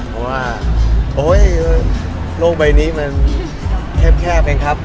เพราะว่าโลกใบนี้มันแคบเองครับ